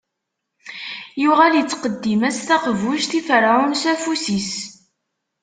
Yuɣal ittqeddim-as taqbuct i Ferɛun s afus-is.